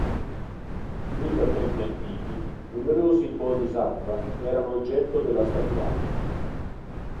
Fin da tempi antichi, numerosi bodhisattva erano oggetto della statuaria.